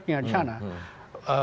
yang disana berkata bahwa